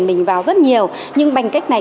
mình vào rất nhiều nhưng bành cách này